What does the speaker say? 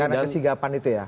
karena kesinggapan itu ya